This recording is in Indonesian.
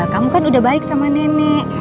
kamu kan udah baik sama nenek